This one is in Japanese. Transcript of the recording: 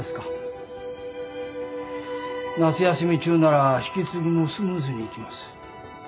夏休み中なら引き継ぎもスムーズにいきます。